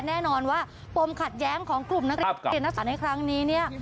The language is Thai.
แน่นอนว่าปมขัดแย้งของกลุ่มนักเรียนนักสารในครั้งนี้เนี่ย